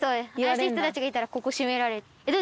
怪しい人たちがいたらここ閉められる。